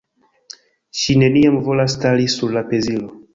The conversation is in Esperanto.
Ŝi neniam volas stari sur la pezilo.